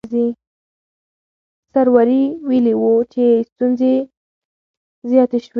سروري ویلي وو چې ستونزې زیاتې شوې.